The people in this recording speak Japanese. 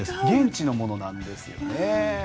現地のものなんですよね。